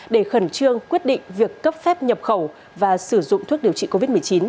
để khẩn trương quyết định việc cấp phép nhập khẩu và sử dụng thuốc điều trị covid một mươi chín